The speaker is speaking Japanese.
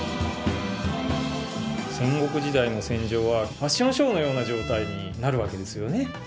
戦国時代の戦場はファッションショーのような状態になる訳ですよね。